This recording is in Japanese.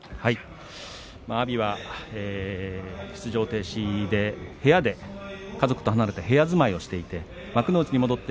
阿炎は出場停止で部屋で家族と離れて暮らしていました。